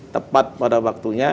tepat pada waktunya